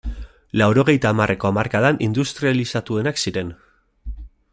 Laurogeita hamarreko hamarkadan industrializatuenak ziren.